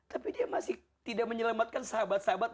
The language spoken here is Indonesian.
tapi dia masih tidak menyelamatkan sahabat sahabat